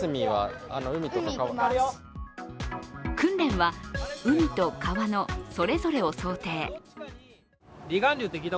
訓練は海と川のそれぞれを想定。